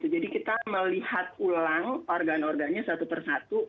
jadi kita melihat ulang organ organnya satu persatu